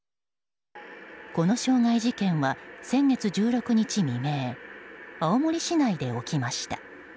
この傷害事件は、先月１６日未明青森市内で起きました。